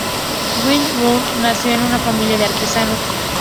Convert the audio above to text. Wilhelm Müller nació en una familia de artesanos.